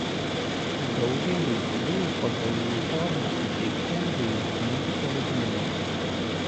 Daugeliui jų pagal jų formą suteikti vaizdingi pavadinimai.